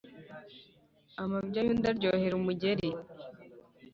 Amabya y’undi aryohera umugeri.